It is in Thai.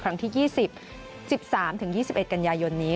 ครั้งที่๒๐๑๓๒๑กันยายนนี้